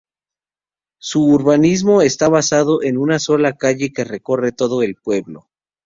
Su urbanismo está basado en una sola calle que recorre todo el pueblo.